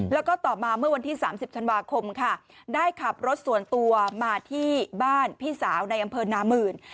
แล้วก็ต่อมาเมื่อวันที่๓๐ธันวาคมค่ะได้ขับรถส่วนตัวมาที่บ้านพี่สาวในอำเภอนามื่น